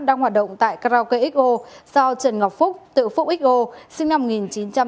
đang hoạt động tại karaoke xo sau trần ngọc phúc tự phụ xo sinh năm một nghìn chín trăm tám mươi ba